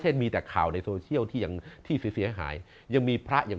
มีแต่ข่าวในโซเชียลที่ยังที่เสียหายยังมีพระอย่าง